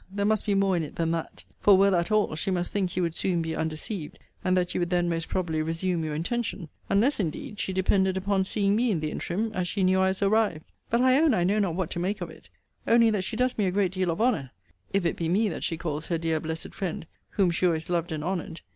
There must be more in it than that. For, were that all, she must think you would soon be undeceived, and that you would then most probably resume your intention unless, indeed, she depended upon seeing me in the interim, as she knew I was arrived. But I own I know not what to make of it. Only that she does me a great deal of honour, if it be me that she calls her dear blessed friend, whom she always loved and honoured.